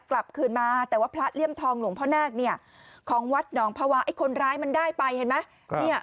กลับคืนมาแต่ว่าพระเหลี่ยมทองหลวงพ่อแนกเนี้ย